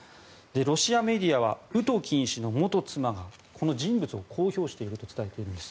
ロシアメディアはウトキン氏の元妻がこの人物をこう評していると伝えています。